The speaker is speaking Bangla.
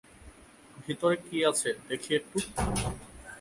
ভিতরে কী আছে দেখি একটু?